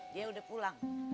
dia udah pulang